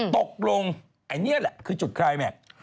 ตกลงอันนี้แหละคือจุดคลายแม็กซ์